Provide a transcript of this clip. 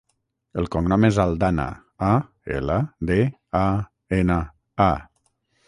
El cognom és Aldana: a, ela, de, a, ena, a.